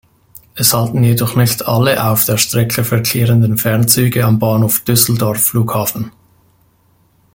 Es halten jedoch nicht alle auf der Strecke verkehrenden Fernzüge am Bahnhof Düsseldorf Flughafen.